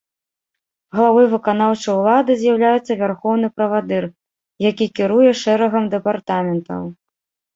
Главой выканаўчай улады з'яўляецца вярхоўны правадыр, які кіруе шэрагам дэпартаментаў.